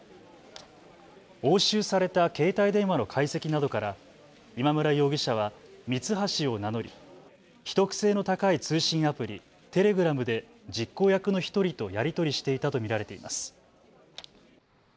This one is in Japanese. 押収された携帯電話の解析などから今村容疑者はミツハシを名乗り秘匿性の高い通信アプリ、テレグラムで実行役の１人とやり取りしていたと見られています。